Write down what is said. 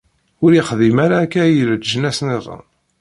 Ur ixdim ara akka i leǧnas-nniḍen.